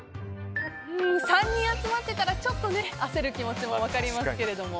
３人集まってたらちょっと焦る気持ちも分かりますけれども。